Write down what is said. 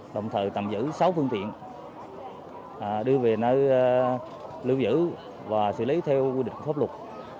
đồng thời tạm giữ sáu phương tiện đưa về nơi lưu giữ và xử lý theo quy định pháp luật